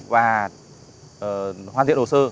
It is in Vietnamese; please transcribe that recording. và hoan thiện hồ sơ